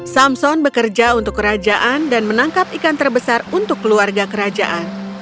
samson bekerja untuk kerajaan dan menangkap ikan terbesar untuk keluarga kerajaan